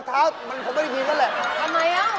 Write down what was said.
ทำไมละ